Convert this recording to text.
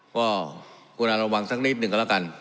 ก็คุณอาระวังสักนิดหนึ่งก็แล้วกัน